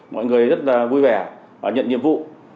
mọi người rất là vui vẻ và nhận nhiệm vụ